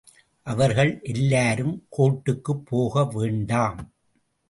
அவர்கள் எல்லாரும் —கோர்ட்டுக்குப் போகவேண்டாம்.